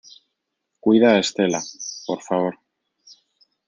cuida a Estela, por favor.